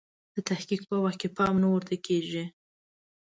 د تحقیق په وخت کې پام نه ورته کیږي.